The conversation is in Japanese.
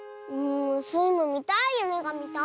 スイもみたいゆめがみたい！